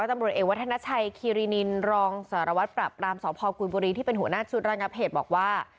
ตำรวจเอกวัฒนชัยคีรีนินรองสารวัตรปรับรามสพกุยบุรีที่เป็นหัวหน้าชุดระงับเหตุบอกว่า